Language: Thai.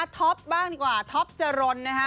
ท็อปบ้างดีกว่าท็อปจรนนะฮะ